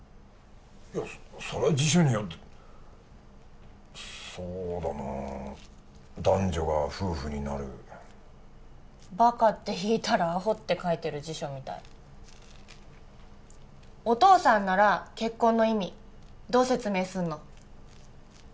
いやそれは辞書によってそうだな男女が夫婦になる「バカ」って引いたら「アホ」って書いてる辞書みたいお父さんなら結婚の意味どう説明すんの？